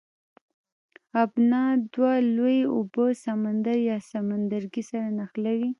ابنا دوه لویې اوبه سمندر یا سمندرګی سره نښلوي.